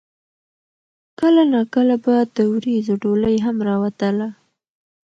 کله نا کله به د وريځو ډولۍ هم راوتله